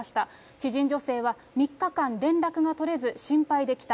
知人女性は、３日間連絡が取れず、心配で来た。